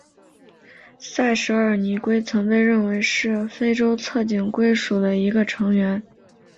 塞舌耳泥龟曾被认为是非洲侧颈龟属的一个成员。